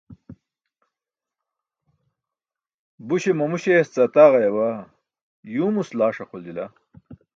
Buśe mamu śeyas ce ataġayabaa, yuumus laaś axoljila.